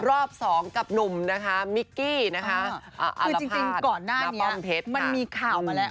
รอบสองกับหนุ่มนะคะมิกกี้นะคะคือจริงก่อนหน้านี้ป้อมเพชรมันมีข่าวมาแล้ว